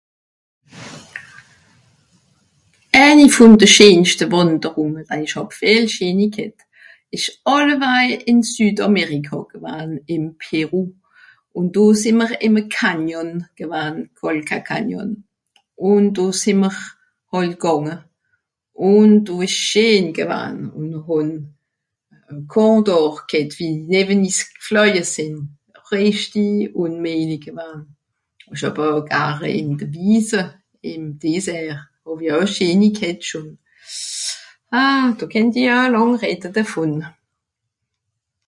Ääni vùn de scheenschte Wànderùnge, waj ìch hàb vìel scheeni ghet, ìsch àllewaj ìn Südàmerikà gewann, ìm Pérou. Ùn do sìì'mr ìm e Canyon gewan, Colca Canyon. Ùn do sìì mr hàlt gànge. Ùn do ìsch's scheen gewaan ùn hàn kondor ghet wie newe-n is gflöje sìn. Rìchti ùnméjli gewann. Ìch hàb oe gare ìn de Wiese, ìm Désert, hàw-i oe scheeni ghet schon. Ah... do kennt i aa làng redde devùn.